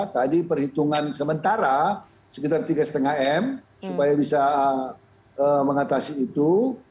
tadi perhitungan sementara sekitar tiga lima m supaya bisa mengatasi itu